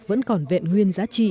vẫn còn vẹn nguyên